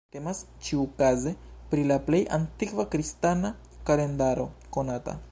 Temas, ĉiukaze, pri la plej antikva kristana kalendaro konata.